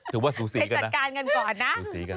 ถือว่าสู่สีกันนะสู่สีกันคะะไปจัดการกันก่อนนะ